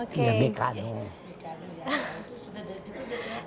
itu sudah dari kecil ya